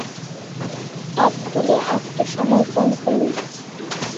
হাত তুলে আত্মসমর্পণ করো!